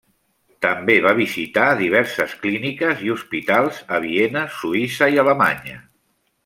També va visitar diverses clíniques i hospitals a Viena, Suïssa i Alemanya.